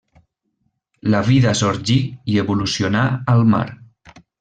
La vida sorgí i evolucionà al mar.